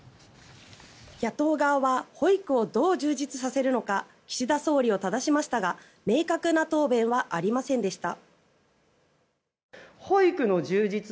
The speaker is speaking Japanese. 野党側は保育をどう充実させるのか岸田総理をただしましたが明確な答弁はありませんでした。